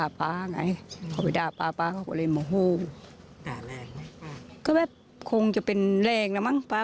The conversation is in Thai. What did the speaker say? อันนี้คงจะแรงอ่ะ